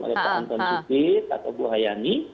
oleh pak anton sigit atau bu hayani